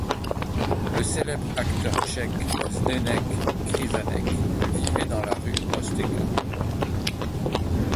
Le célèbre acteur tchèque Zdeněk Kryzánek vivait dans la rue Mostecká.